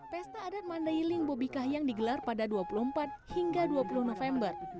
pesta adat mandailing bobi kahiyang digelar pada dua puluh empat hingga dua puluh november